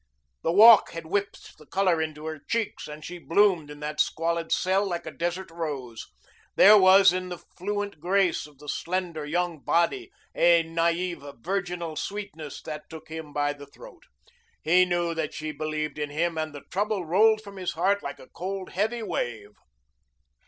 The walk had whipped the color into her cheeks and she bloomed in that squalid cell like a desert rose. There was in the fluent grace of the slender, young body a naïve, virginal sweetness that took him by the throat. He knew that she believed in him and the trouble rolled from his heart like a cold, heavy wave.